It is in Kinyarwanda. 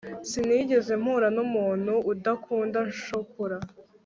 sinigeze mpura numuntu udakunda shokora